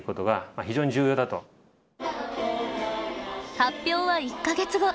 発表は１か月後。